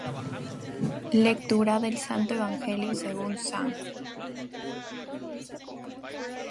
Lectura del Santo Evangelio según san _______.